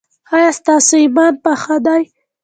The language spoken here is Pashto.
ایا ستاسو ایمان پاخه دی؟